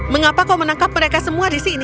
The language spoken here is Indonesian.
mengapa kau menangkap mereka semua di sini